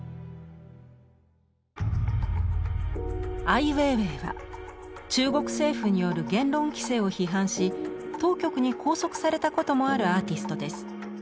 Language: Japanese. アイウェイウェイは中国政府による言論規制を批判し当局に拘束されたこともあるアーティストです。